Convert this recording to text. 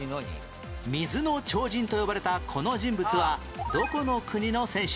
水の超人と呼ばれたこの人物はどこの国の選手？